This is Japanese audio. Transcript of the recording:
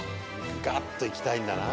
ガッといきたいんだな。